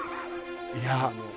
いや